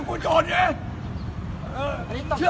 พิเศษให้ดู